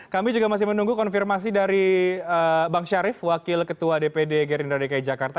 kami juga masih menunggu konfirmasi dari bang syarif wakil ketua dpd gerindra dki jakarta